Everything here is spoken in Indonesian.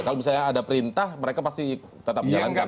kalau misalnya ada perintah mereka pasti tetap menjalankan